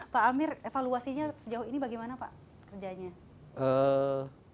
pak amir evaluasinya sejauh ini bagaimana pak kerjanya